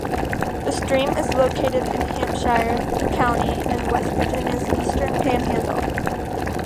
The stream is located in Hampshire County in West Virginia's Eastern Panhandle.